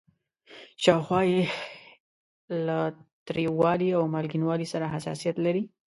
شاوخوا یې له تریوالي او مالګینوالي سره حساسیت لري.